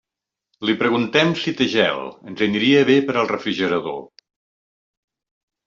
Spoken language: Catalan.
Li preguntem si té gel, ens aniria bé per al refrigerador.